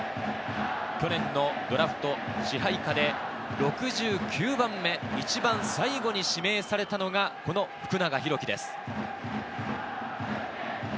去年のドラフト支配下で６９番目、一番最後に指名されたのがこの福永裕基です。